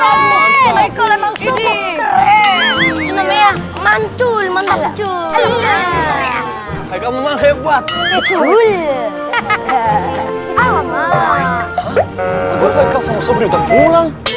hai hai kalau mau keren namanya mantul mantul